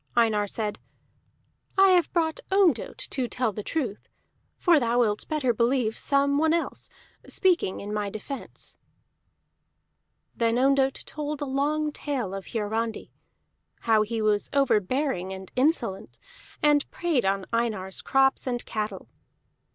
Einar said: "I have brought Ondott to tell the truth, for thou wilt better believe some one else, speaking in my defence." Then Ondott told a long tale of Hiarandi, how he was overbearing and insolent, and preyed on Einar's crops and cattle.